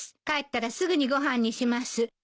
帰ったらすぐにご飯にします。